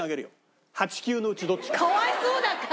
「かわいそうだから」